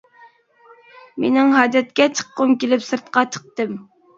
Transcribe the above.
مېنىڭ ھاجەتكە چىققۇم كېلىپ سىرتقا چىقتىم.